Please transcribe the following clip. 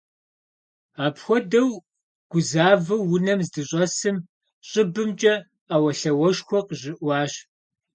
Апхуэдэу гузавэу унэм здыщӏэсым, щӏыбымкӏэ Ӏэуэлъауэшхуэ къыщыӀуащ.